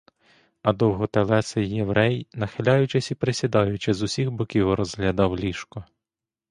А довготелесий єврей, нахиляючись і присідаючи, з усіх боків розглядав ліжко.